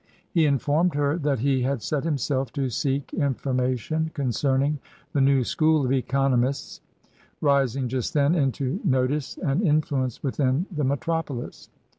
He informed her that he had set himself to seek information concerning the new school of Economists rising just then into notice and influence within the me tropolis.